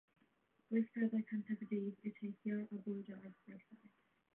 Gweithgareddau cyntaf y dydd yw teithio a bwydo ar ffrwythau.